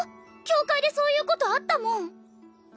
教会でそういうことあったもん！